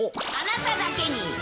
あなただけに！